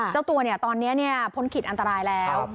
เจ้าตัวเนี่ยตอนนี้เนี่ยพ้นขิดอันตรายแล้ว